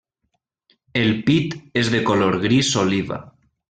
El pit és de color gris oliva.